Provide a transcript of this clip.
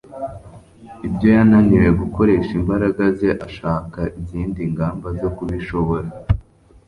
Ibyo yananiwe gukoresha imbaraga ze, ashaka izindi ngamba zo kubishobora.